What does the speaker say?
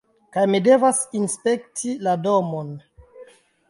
kaj mi devas inspekti la domon.